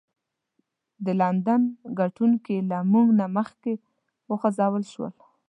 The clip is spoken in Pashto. د لندن تګونکي له موږ نه مخکې وخوځول شول.